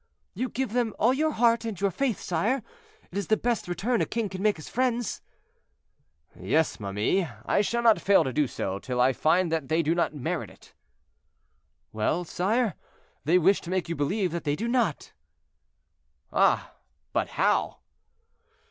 "You give them all your heart and your faith, sire; it is the best return a king can make his friends." "Yes, ma mie, I shall not fail to do so till I find that they do not merit it." "Well, sire, they wish to make you believe that they do not." "Ah! but how?"